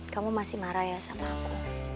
kamu masih marah ya sama aku